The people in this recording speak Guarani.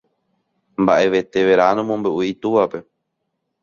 Mba'evete vera nomombe'úi itúvape.